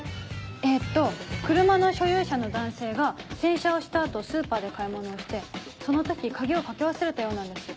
えと車の所有者の男性が洗車をした後スーパーで買い物をしてその時鍵をかけ忘れたようなんです。